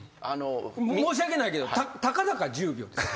申し訳ないけどたかだか１０秒ですよ。